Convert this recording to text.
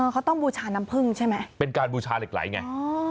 เขาต้องบูชาน้ำพึ่งใช่ไหมเป็นการบูชาเหล็กไหลไง